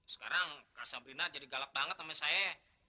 sekarang kak sabrina jadi galak banget sama saya